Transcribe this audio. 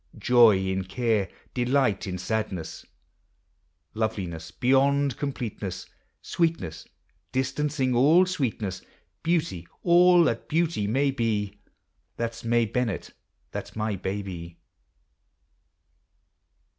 19 Joy in care; delight iii sadness; Loveliness beyond completeness; Sweetness distancing all sweetness; Beautv all that beauty mav be; — t' V ft 7 That 's May Bennett; that 's my baby.